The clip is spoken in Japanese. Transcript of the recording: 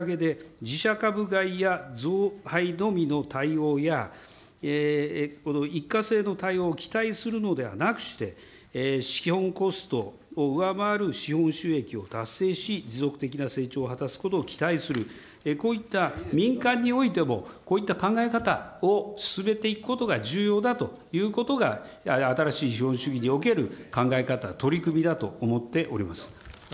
ことしの３月に、関係企業の働きかけで、自社株買いや増配のみの対応や、一過性の対応を期待するのではなくして、資本コストを上回る資本収益を達成し、持続的な成長を果たすことを期待する、こういった民間においても、こういった考え方を進めていくことが重要だということが、新しい資本主義における考え方、取り組みだと思っております。